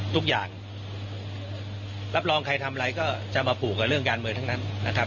ทุกอย่างรับรองใครทำอะไรก็จะมาผูกกับเรื่องการเมืองทั้งนั้นนะครับ